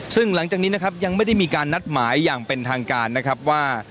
ซึ่งหลังจากนี้นะครับยังไม่ได้มีการนัดหมายอย่างเป็นทางการนะครับว่า